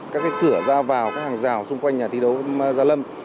các cửa ra vào các hàng rào xung quanh nhà thi đấu gia lâm